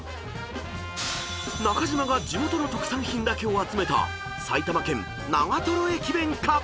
［中島が地元の特産品だけを集めた埼玉県］